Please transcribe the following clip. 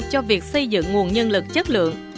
cho việc xây dựng nguồn nhân lực chất lượng